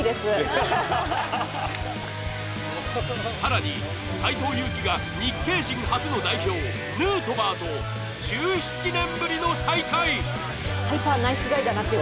更に、斎藤佑樹が日系人初の代表・ヌートバーと１７年ぶりの再会。